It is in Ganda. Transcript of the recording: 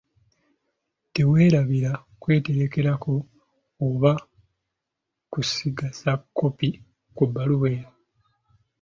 Teweerabira kweterekerako oba kusigaza 'kkopi', ku bbaluwa eyo.